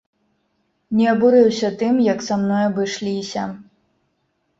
Не абурыўся тым, як са мной абышліся.